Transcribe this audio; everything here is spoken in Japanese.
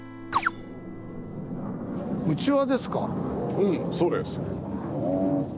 うんそうです。